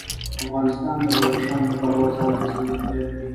افغانستان د بدخشان د پلوه ځانته ځانګړتیا لري.